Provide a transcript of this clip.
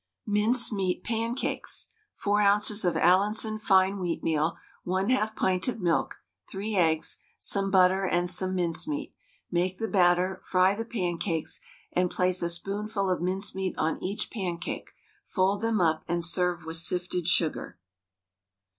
MINCEMEAT PANCAKES. 4 oz. of Allinson fine wheatmeal, 1/2 pint of milk, 3 eggs, some butter, and some mincemeat. Make the batter, fry the pancakes, and place a spoonful of mincemeat on each pancake, fold them up, and serve with sifted sugar.